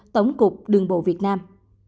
tổng cục đường bộ việt nam